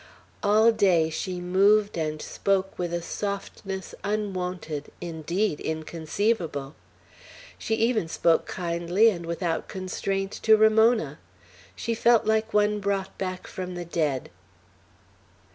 All day she moved and spoke with a softness unwonted, indeed inconceivable. She even spoke kindly and without constraint to Ramona. She felt like one brought back from the dead.